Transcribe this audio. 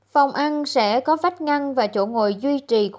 phòng ăn sẽ có vách ngăn và chỗ ngồi duy trì khoảng cách